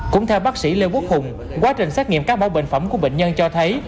cũng theo bác sĩ lê quốc hùng quá trình xét nghiệm các mẫu bệnh phẩm của bệnh nhân cho thấy